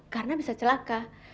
karena bisa celaka